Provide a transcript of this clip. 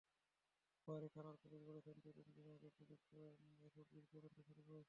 ওয়ারী থানার পুলিশ বলেছে, দু-তিন দিন আগে পুলিশ এসব জিডির তদন্ত শুরু করেছে।